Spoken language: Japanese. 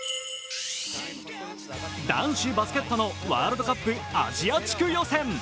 男子バスケットのワールドカップアジア地区予選。